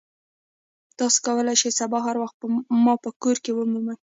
تاسو کولی شئ سبا هر وخت ما په کور کې ومومئ